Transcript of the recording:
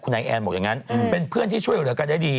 นายแอนบอกอย่างนั้นเป็นเพื่อนที่ช่วยเหลือกันได้ดี